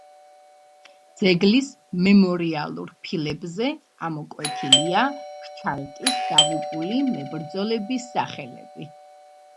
ძეგლის მემორიალურ ფილებზე ამოკვეთილია ჩალტირის დაღუპული მებრძოლების სახელები.